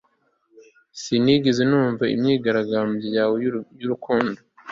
sinigeze numva imyigaragambyo yawe y'urukundo